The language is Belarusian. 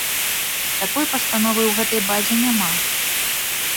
Такой пастановы ў гэтай базе няма.